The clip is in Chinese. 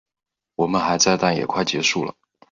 我们还在，但也快结束了